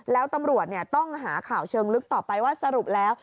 แล้วตำรวจต้องหาข่าวเชิงลึกต่อไปว่าสรุปแล้ว